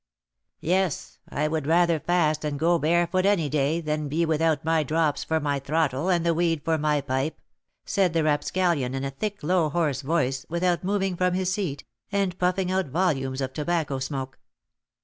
"Yes; I would rather fast, and go barefoot any day, than be without my drops for my throttle, and the weed for my pipe," said the rapscallion, in a thick, low, hoarse voice, without moving from his seat, and puffing out volumes of tobacco smoke.